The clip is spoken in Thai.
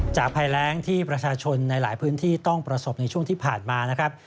ภัยแรงที่ประชาชนในหลายพื้นที่ต้องประสบในช่วงที่ผ่านมานะครับ